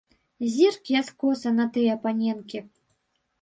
Зірк я скоса на тыя паненкі.